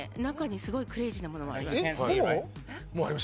中にすごいクレイジーなものがあります。